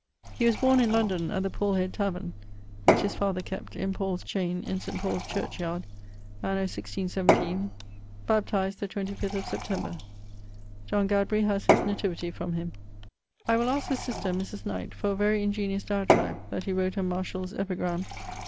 He was borne in London Paul head tavern (which his father kept) in Paule's chaine St. Paul's church yard anno 1617, baptized the 25 of September. John Gadbury haz his nativity from him. I will aske his sister (Mris Knight) for a very ingeniose diatribe that he wrote on Martialis epigram.